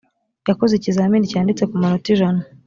yakoze ikizamini cyanditse ku manota ijana